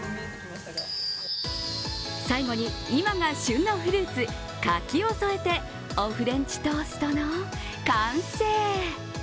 最後に今が旬のフルーツ、柿を添えてお麩レンチトーストの完成。